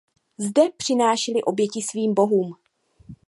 Zde přinášeli oběti svým bohům.